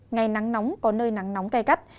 ngày nắng nóng có nơi nắng nóng cay cắt